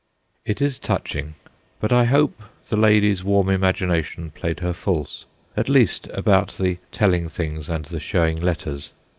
It is touching, but I hope the lady's warm imagination played her false at least about the telling things and the showing letters.